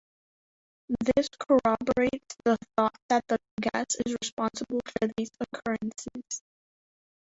This corroborates the thought that the gas is responsible for these occurrences.